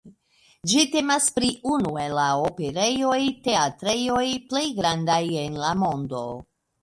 Ĝi temas pri unu el la operejoj-teatrejoj plej grandaj en la mondo.